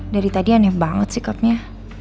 dari tadi aneh banget sikapnya